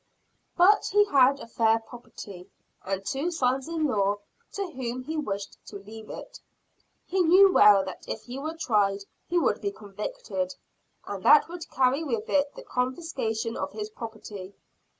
But he had a fair property, and two sons in law to whom he wished to leave it. He knew well that if he were tried he would be convicted, and that would carry with it the confiscation of his property.